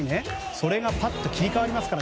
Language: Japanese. それがパッと切り替わりますから。